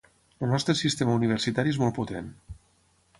El nostre sistema universitari és molt potent.